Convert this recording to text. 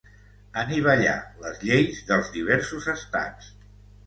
Anivellar les lleis dels diversos estats.